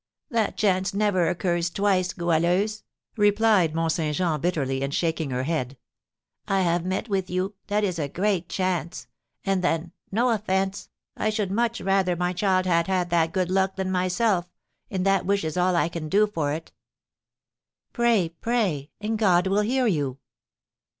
"That chance never occurs twice, Goualeuse," replied Mont Saint Jean, bitterly, and shaking her head. "I have met with you, that is a great chance; and then no offence I should much rather my child had had that good luck than myself, and that wish is all I can do for it!" "Pray, pray, and God will hear you."